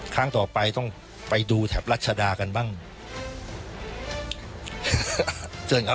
ครั้งต่อไปต้องไปดูแถบรัชดากันบ้างเชิญครับ